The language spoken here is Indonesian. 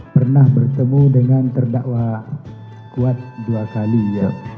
pernah bertemu dengan terdakwa kuat dua kali ya